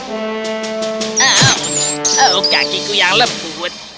oh kakiku yang lebut